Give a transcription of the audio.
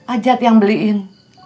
ajat yang beliin